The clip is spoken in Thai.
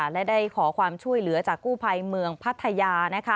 และได้ขอความช่วยเหลือจากกู้ภัยเมืองพัทยา